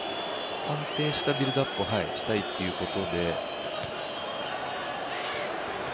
安定したビルドアップをしたいということで。